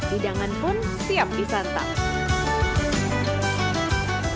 hidangan pun siap disantap